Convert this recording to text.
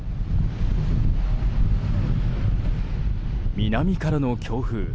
南からの強風。